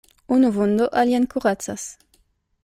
Unu vundo alian kuracas.